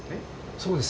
そうです。